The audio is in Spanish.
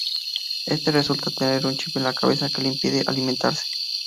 Éste resulta tener un chip en la cabeza que le impide alimentarse.